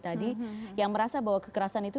tadi yang merasa bahwa kekerasan itu